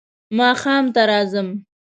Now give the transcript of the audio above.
ماښام ته راځم .